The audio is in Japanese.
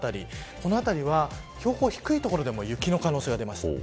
この辺りは標高の低い所でも雪の可能性が出ます。